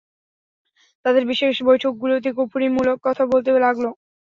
তাদের বিশেষ বৈঠকগুলোতে কুফুরীমূলক কথা বলতে লাগল।